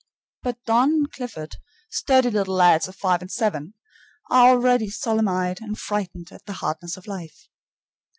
But Don and Clifford, sturdy little lads of five and seven, are already solemn eyed and frightened at the hardness of life.